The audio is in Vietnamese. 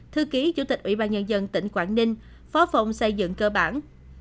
thư ký chủ tịch ủy ban nhân dân tỉnh quảng ninh phó phòng xây dựng cơ bản